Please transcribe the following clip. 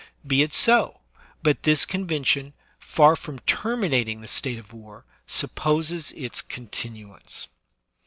Be it so; but this convention, far from terminating the state of war, supposes its continuance.